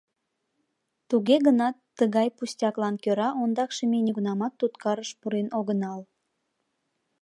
Туге гынат тыгай пустяклан кӧра ондакше ме нигунамат туткарыш пурен огынал.